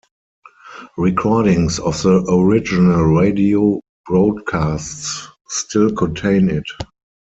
Recordings of the original radio broadcasts still contain it.